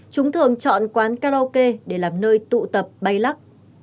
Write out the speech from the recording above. chúng thường chọn quán karaoke để làm nơi tụ tập bay lắc